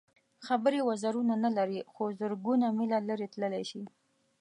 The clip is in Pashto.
خبرې وزرونه نه لري خو زرګونه مېله لرې تللی شي.